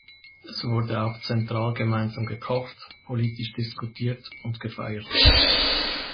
Es wurde auch zentral gemeinsam gekocht, politisch diskutiert und gefeiert.